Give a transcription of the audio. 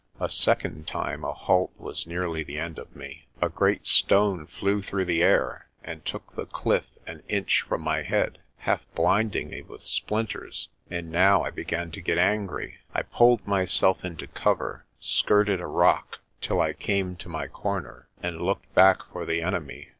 A second time a halt was nearly the end of me. A great stone flew through the air, and took the cliff an inch from my head, half blinding me with splinters. And now I began to get angry. I pulled myself into cover, skirted a rock till I came to my corner, and looked back for the enemy.